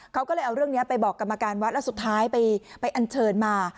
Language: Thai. เขาก็เลยเอาเรื่องนี้ไปบอกกรรมการวัดแล้วสุดท้ายไปอันเชิญมา